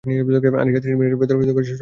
আনিশা ত্রিশ মিনিটের ভেতর সব হয়ে যাবে।